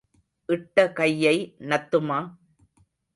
இட்ட கையை நத்துமா?